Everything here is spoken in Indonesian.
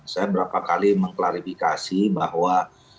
saya berapa kali mengklarifikasi bahwa